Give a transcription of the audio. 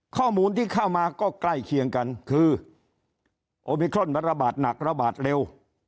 ข้อมูลที่เข้ามาก็ใกล้เคียงกันคือโอมิครอนมันระบาดหนักระบาดเร็ว